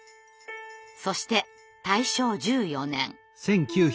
そして大正１４年。